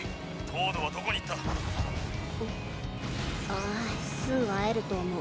ああすぐ会えると思う。